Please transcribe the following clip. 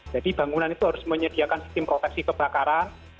jadi bangunan itu harus menyediakan sistem proteksi kebakaran